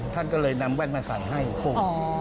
ท่านก็เลยนำแว่นมาใส่ให้หลวงปู่